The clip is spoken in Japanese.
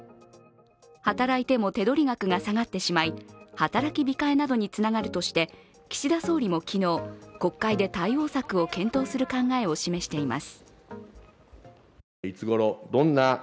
働いても手取り額が下がってしまい、働き控えなどにつながるとして岸田総理も昨日、国会で対応策を検討する考えを示しています。